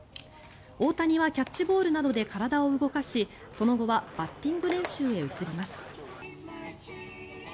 大谷はキャッチボールなどで体を動かしその後はバッティング練習へ移ります。